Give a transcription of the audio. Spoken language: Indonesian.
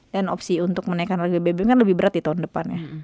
dan opsi untuk menaikkan harga bbm kan lebih berat di tahun depannya